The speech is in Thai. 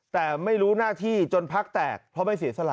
แต่ไม่รู้หน้าที่จนพักแตกเพราะไม่เสียสละ